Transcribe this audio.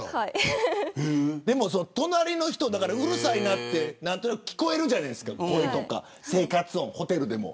でも隣の人うるさいなって聞こえるじゃないですか、声とか生活音、ホテルでも。